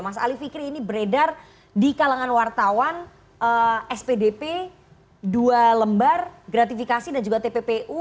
mas ali fikri ini beredar di kalangan wartawan spdp dua lembar gratifikasi dan juga tppu